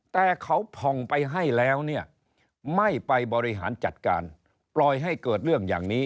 แต่เขาผ่องไปให้แล้วเนี่ยไม่ไปบริหารจัดการปล่อยให้เกิดเรื่องอย่างนี้